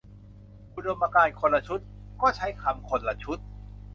อุดมการณ์คนละชุด ก็ใช้คำคนละชุด